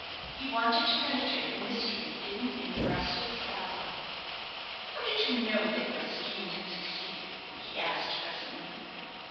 He wanted to penetrate the mystery hidden in the breast of his ally. "How did you know that your scheme had succeeded?" he asked, presently.